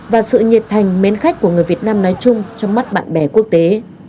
và sự nhiệt thành mến khách của người việt nam nói chung trong mắt bạn bè quốc tế